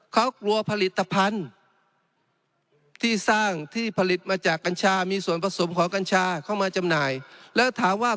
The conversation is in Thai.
เขากลัวผลิตภัณฑ์ที่สร้างที่ผลิตมาจากกัญชามีส่วนผสมของกัญชาเข้ามาจำหน่ายแล้วถามว่า